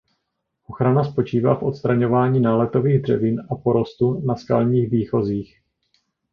Ochrana spočívá v odstraňování náletových dřevin a porostu na skalních výchozích.